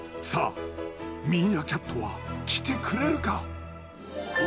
さあミーアキャットは来てくれるか？